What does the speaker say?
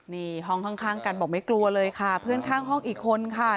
นี่ห้องข้างกันบอกไม่กลัวเลยค่ะเพื่อนข้างห้องอีกคนค่ะ